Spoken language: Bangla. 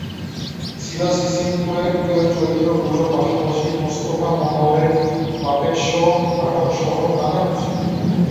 ছিল সিসিমপুরের প্রিয় চরিত্রগুলোর পাশাপাশি মুস্তাফা মনোয়ারের পাপেট শো, নাটকসহ নানা কিছু।